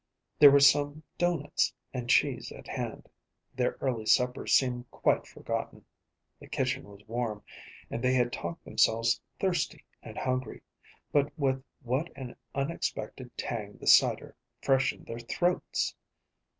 There were some doughnuts and cheese at hand; their early supper seemed quite forgotten. The kitchen was warm, and they had talked themselves thirsty and hungry; but with what an unexpected tang the cider freshened their throats!